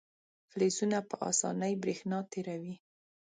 فلزونه په اسانۍ برېښنا تیروي.